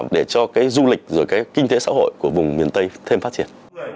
để cho cái du lịch rồi cái kinh tế xã hội của vùng miền tây thêm phát triển